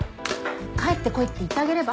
帰ってこいって言ってあげれば？